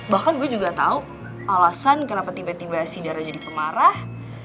bahkan gue juga tau alasan kenapa tiba tiba si dara jadi pemarah